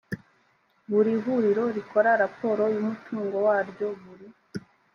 buri huriro rikora raporo y umutungo waryo buri